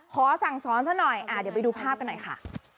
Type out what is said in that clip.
ขอสั่งสอนซะหน่อยเดี๋ยวไปดูภาพกันหน่อยค่ะ